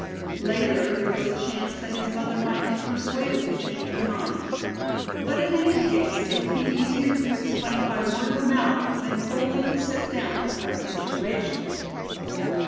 Later there was a chance that his mother might be persuaded to change her mind. But in any case it would be easier to explain by word of mouth than coldly to set down the present situation.